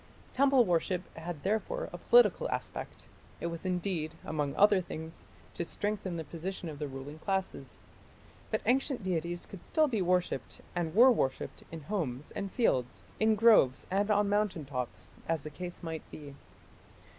Temple worship had therefore a political aspect; it was intended, among other things, to strengthen the position of the ruling classes. But ancient deities could still be worshipped, and were worshipped, in homes and fields, in groves and on mountain tops, as the case might be.